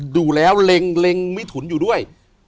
ดูแล้วเล็งมิถุนอยู่ด้วย